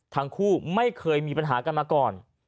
ทั้งคู่ไม่เคยมีปัญหากันมาก่อน